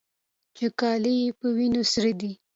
چې کالي يې په وينو سره دي.